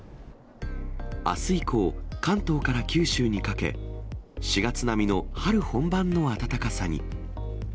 あす以降、関東から九州にかけ、４月並みの春本番の暖かさに。